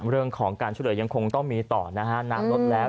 เรื่องของการช่วยเหลือยังคงต้องมีต่อนะฮะน้ำลดแล้ว